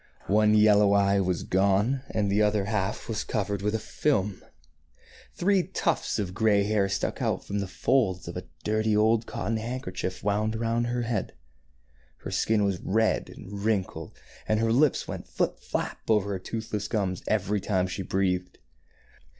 One yellow eye was gone, and the other was half cov ered with a film. Three tufts of gray hair stuck out from the folds of a dirty old cotton handkerchief wound around her head. Her skin was red and wrinkled, and her lips went flip flap over her toothless gums every time she breathed.